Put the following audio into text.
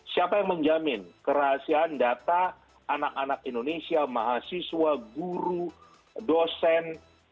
siapa yang menjamin kerahasiaan data anak anak indonesia mahasiswa guru dosen